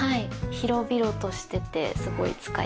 広々としててすごい使いやすいです。